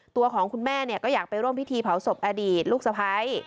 ตัวของคุณแม่ก็อยากไปร่วมพิธีเผาศพอดีตลูกสะพ้าย